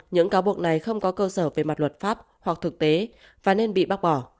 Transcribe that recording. những cáo buộc này không có cơ sở về mặt luật pháp hoặc thực tế và nên bị bác bỏ